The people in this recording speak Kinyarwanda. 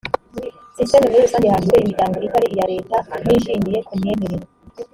system muri rusange handitswe imiryango itari iya leta n ishingiye ku myemerere